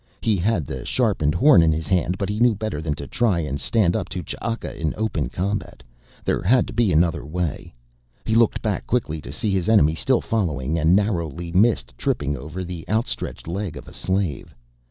He had the sharpened horn in his hand but knew better than to try and stand up to Ch'aka in open combat; there had to be another way. He looked back quickly to see his enemy still following and narrowly missed tripping over the outstretched leg of a slave.